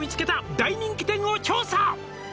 「大人気店を調査！」